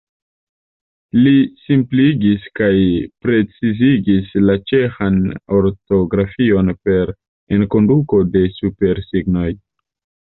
Li simpligis kaj precizigis la ĉeĥan ortografion per enkonduko de supersignoj.